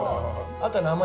あと名前。